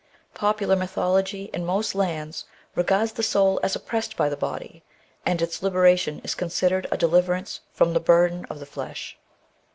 Popular mythology in most lands regards the soul as oppressed by the body, and its liberation is considered a deliverance from the " burden" of the flesh.